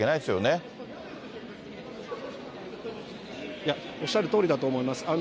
いや、おっしゃるとおりだと思います。